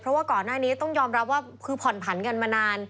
เพราะว่าก่อนหน้านี้ต้องยอมรับว่าคือผ่อนผันกันมานาน